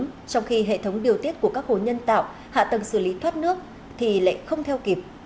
trong khi hệ thống điều tiết của các hồ nhân tạo hạ tầng xử lý thoát nước thì lại không theo kịp